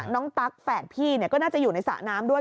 ตั๊กแฝดพี่ก็น่าจะอยู่ในสระน้ำด้วย